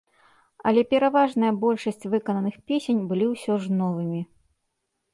Але пераважная большаць выкананых песень былі ўсё ж новымі.